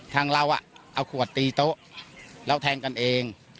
ทางเราเอาขวดตีโต๊ะแล้วแทงกันเอง